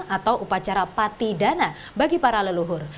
atau upacara patidana bagi para leluhur